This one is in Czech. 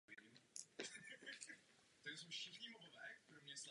Přestřelka probíhala dva dny dokud nebylo dosaženo zastavení palby.